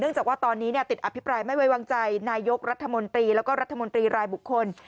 จากว่าตอนนี้ติดอภิปรายไม่ไว้วางใจนายกรัฐมนตรีแล้วก็รัฐมนตรีรายบุคคล